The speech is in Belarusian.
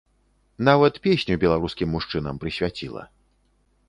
Нават песню беларускім мужчынам прысвяціла.